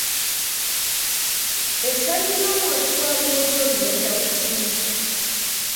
Essanyu ly’omwoki wa gonja olirabira ku ki?